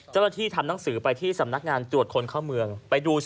เจ้าหน้าที่ทำหนังสือไปที่สำนักงานตรวจคนเข้าเมืองไปดูสิ